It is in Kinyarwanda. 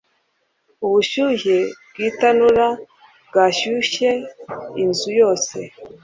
Ubushyuhe bwitanura bwashyushye inzu yose.